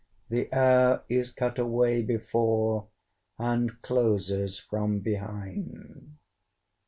The air is cut away before, And closes from behind.